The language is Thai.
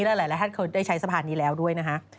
และหลายท่านเคยได้ใช้สะพานนี้แล้วด้วยนะฮะ